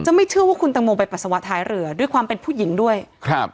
ไม่เชื่อว่าคุณตังโมไปปัสสาวะท้ายเรือด้วยความเป็นผู้หญิงด้วยครับ